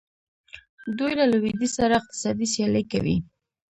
دوی له لویدیځ سره اقتصادي سیالي کوي.